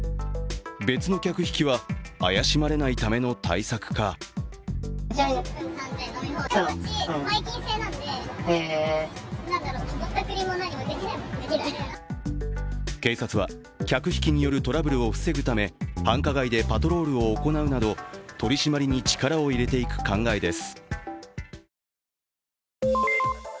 別の客引きは怪しまれないための対策か警察は、客引きによるトラブルを防ぐため繁華街でパトロールを行うなど取り締まりに力を入れていく考えです。